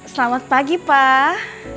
selamat pagi pak